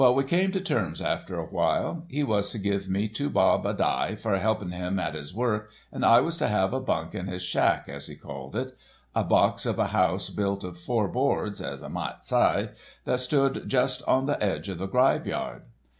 "Well, we came to terms after a while. He was to give me two bob a dye for helping him at his work, and I was to have a bunk in his 'shack', as he called it—a box of a house built of four boards, as I might sye, that stood just on the edge of the gryveyard.